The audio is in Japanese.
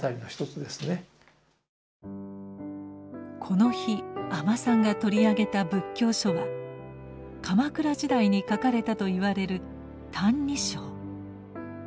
この日阿満さんが取り上げた仏教書は鎌倉時代に書かれたといわれる「歎異抄」。